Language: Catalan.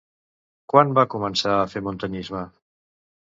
Quan va començar a fer muntanyisme?